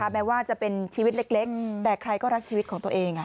แม้ว่าจะเป็นชีวิตเล็กแต่ใครก็รักชีวิตของตัวเอง